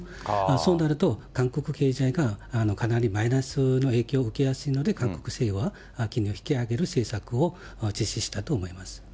そうなると、韓国経済がかなりマイナスの影響を受けやすいので、韓国政府は金利を引き上げる政策を実施したと思います。